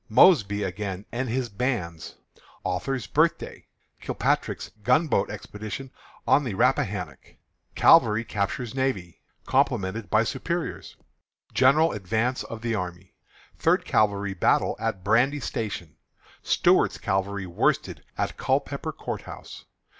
Mosby Again, and His Bands. Author's Birthday. Kilpatrick's Gunboat Expedition on the Rappahannock. Cavalry Captures Navy. Complimented by Superiors. General Advance of the Army. Third Cavalry Battle at Brandy Station. Stuart's Cavalry Worsted at Culpepper Court House.